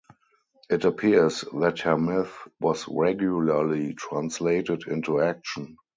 It appears that her myth was regularly translated into action.